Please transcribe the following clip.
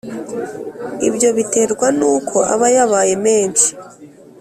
Ibyo biterwa n’uko aba yabaye menshi